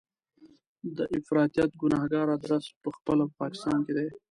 د افراطیت ګنهګار ادرس په خپله په پاکستان کې دی.